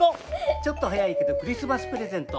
ちょっと早いけどクリスマスプレゼント！